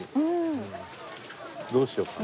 どうしようかね。